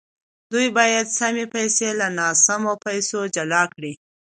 دوی باید سمې پیسې له ناسمو پیسو جلا کړي